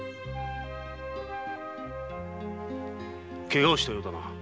怪我をしたようだな。